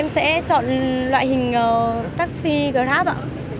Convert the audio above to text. sẽ chọn loại hình taxi grab ạ